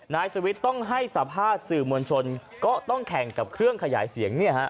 นายสวิทย์ต้องให้สัมภาษณ์สื่อมวลชนก็ต้องแข่งกับเครื่องขยายเสียง